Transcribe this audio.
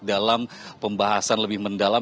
dalam pembahasan lebih mendalam